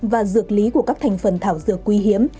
và dược lý của các thành phần thảo dược quý hiếm